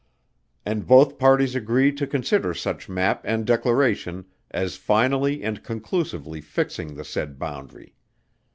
And both parties agree to consider such map and declaration as finally and conclusively fixing the said boundary.